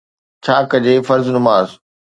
ڇا ڪجي فرض نماز